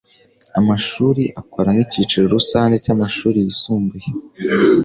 amashuri akora nk icyiciro rusange cy amashuri yisumbuye